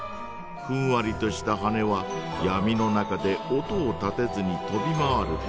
ふんわりとしたはねはやみの中で音を立てずに飛び回るため。